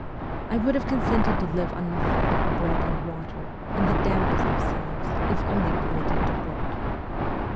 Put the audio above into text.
I would have consented to live on nothing but bread and water, in the dampest of cellars, if only permitted to work.